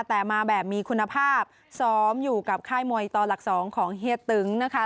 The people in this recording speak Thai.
แต่มาแบบมีคุณภาพซ้อมอยู่กับค่ายมวยต่อหลัก๒ของเฮียตึงนะคะ